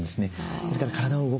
ですから体を動かす。